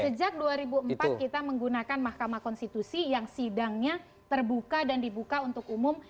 sejak dua ribu empat kita menggunakan mahkamah konstitusi yang sidangnya terbuka dan dibuka untuk umum